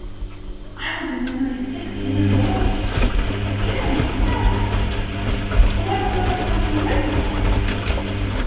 "" I was nearly six years old. " "Nearly six! And it was over twenty years ago!